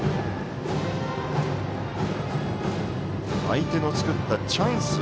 相手の作ったチャンス。